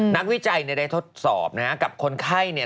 นักวิจัยได้ทดสอบนะกับคนไข้นี่